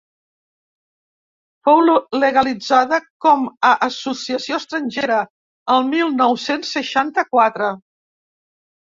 Fou legalitzada, com a associació estrangera, el mil nou-cents seixanta-quatre.